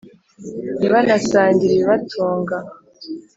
ntibanasangire ibibatunga.